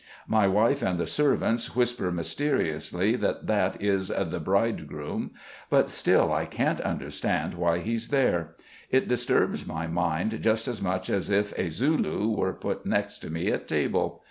My wife and the servants whisper mysteriously that that is "the bridegroom," but still I can't understand why he's there. It disturbs my mind just as much as if a Zulu were put next to me at table.